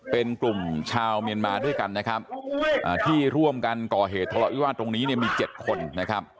เป็นกลุ่มชาวเมียนมาด้วยกันนะครับที่ร่วมกันก่อเหตุทะเลาะวิวาสตรงนี้เนี่ยมี๗คนนะครับ